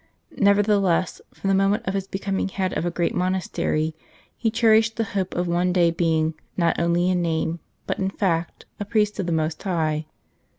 Never theless, from the moment of his becoming head of a great monastery, he cherished the hope of one day being, not only in name, but in fact, a priest of the Most High.